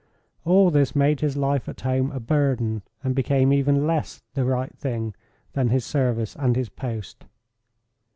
All this made his life at home a burden, and became even less "the right thing" than his service and his post.